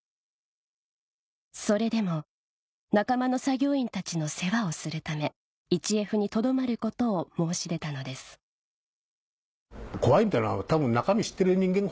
それでも仲間の作業員たちの世話をするため１Ｆにとどまることを申し出たのです絶対。